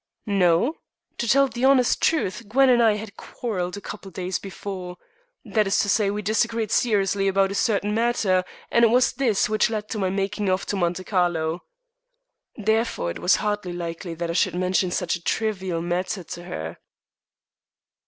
"No. To tell the honest truth, Gwen and I had quarrelled a couple of days before. That is to say, we disagreed seriously about a certain matter, and it was this which led to my making off to Monte Carlo. Therefore it was hardly likely I should mention such a trivial matter to her."